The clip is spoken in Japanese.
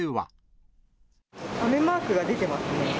雨マークが出てますね。